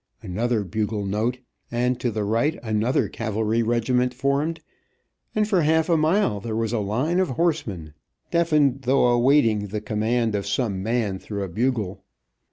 Another bugle note, and to the right another cavalry regiment formed, and for half a mile there was a line of horsemen, deafened by the waiting the command of some man, through a bugle.